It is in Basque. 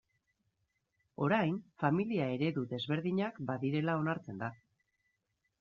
Orain familia eredu desberdinak badirela onartzen da.